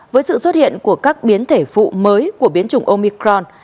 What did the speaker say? với sự xuất hiện của các biến thể phụ mới của biến chủng omicron